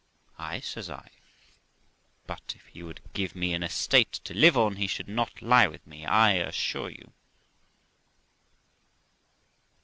'Ay', says I, 'but if he would give me an estate to live on, he should not lie with me, I assure you.'